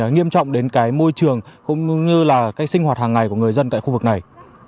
nghiêm trọng đến cái môi trường cũng như là cái sinh hoạt hàng ngày của người dân tại khu vực này